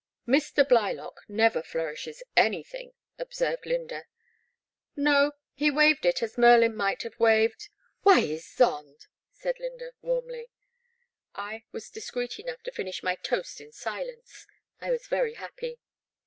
Mr. Blylock never flourishes an3rthing, ob served Lynda. No, he waved it as Merlin might have waved *'Why, Ysonde! " said Lynda, warmly. I was discreet enough to finish my toast in silence ; I was very happy.